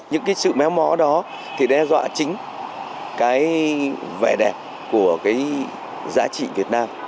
những cái sự méo mó đó thì đe dọa chính cái vẻ đẹp của cái giá trị việt nam